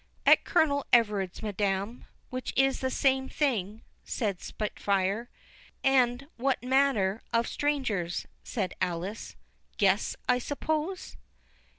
"At Colonel Everard's, madam, which is the same thing," said Spitfire. "And what manner of strangers," said Alice; "guests, I suppose?"